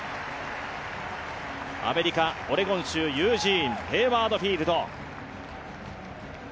アメリカ・オレゴン州ユージーン、ヘイワード・フィールド。